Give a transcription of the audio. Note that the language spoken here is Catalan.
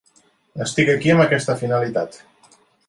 Estic aquí amb aquesta finalitat.